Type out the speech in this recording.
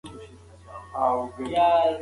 که په نظام کې امانتداري وي نو درغلي نه وي.